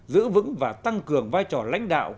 giữ vững và tăng cường vai trò lãnh đạo